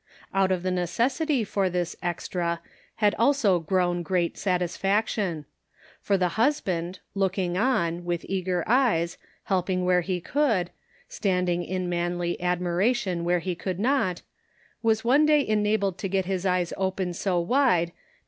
Out of the neces sity for this "extra" had also grown great satisfaction ; for the husband, looking on, with eager eyes, helping where he could, standing in manly admiration where he could not, was one day enabled to get his eyes open so wide that